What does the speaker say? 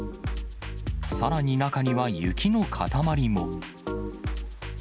さらに中には雪の塊も。